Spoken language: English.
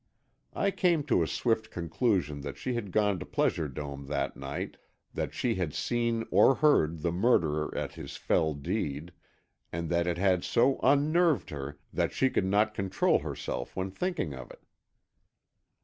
I came to a swift conclusion that she had gone to Pleasure Dome that night, that she had seen or heard the murderer at his fell deed, and that it had so unnerved her that she could not control herself when thinking of it.